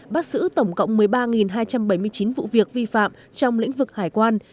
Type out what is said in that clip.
bắt sử tổng cộng một mươi ba hai trăm bảy mươi chín vụ việc vi phạm trong lĩnh vực hải quan